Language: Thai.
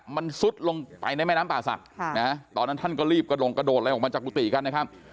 มันซุดลงไปในแม่น้ำป่าศักดิ์ตอนนั้นท่านก็รีบกระดงกระโดดอะไรออกมาจากกุฏิกันนะครับ